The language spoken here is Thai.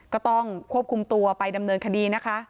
ก็ต้องควบคุมตัวไปดำเนินคดีนะคะ